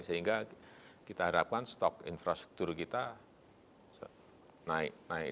sehingga kita harapkan stok infrastruktur kita naik naik